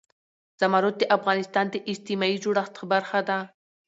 زمرد د افغانستان د اجتماعي جوړښت برخه ده.